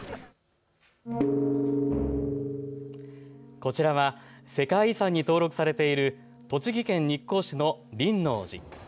こちらは世界遺産に登録されている栃木県日光市の輪王寺。